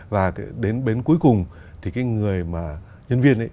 và đến bến cuối cùng thì cái người mà nhân viên ấy